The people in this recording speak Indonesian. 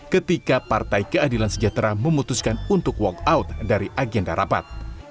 ketika partai keadilan sejahtera memutuskan untuk walk out dari agenda rapat